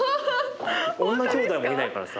女きょうだいもいないからさ。